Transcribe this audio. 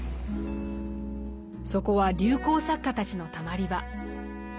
そこは流行作家たちのたまり場。